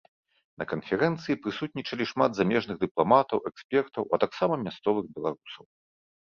На канферэнцыі прысутнічалі шмат замежных дыпламатаў, экспертаў, а таксама мясцовых беларусаў.